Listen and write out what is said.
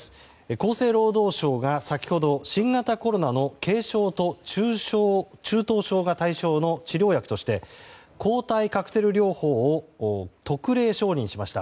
厚生労働省が先ほど新型コロナの軽症と中等症が対象の治療薬として抗体カクテル療法を特例承認しました。